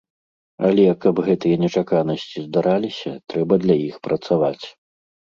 Але, каб гэтыя нечаканасці здараліся, трэба для іх працаваць.